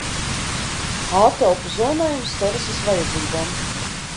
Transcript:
Ārtelpu zonējums terases vajadzībām.